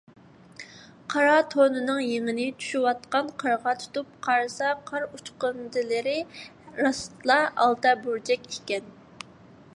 قارا تونىنىڭ يېڭىنى چۈشۈۋاتقان قارغا تۇتۇپ قارىسا، قار ئۇچقۇندىلىرى راستلا ئالتە بۇرجەك ئىكەن.